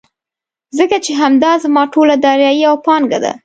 ځکه چې همدا زما ټوله دارايي او پانګه ده.